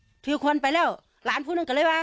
ภรรยาก็บอกว่านายเทวีอ้างว่าไม่จริงนายทองม่วนขโมย